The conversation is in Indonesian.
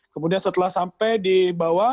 kemudian setelah sampai di bawah